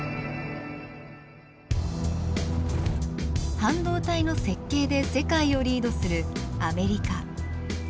半導体の設計で世界をリードするアメリカ。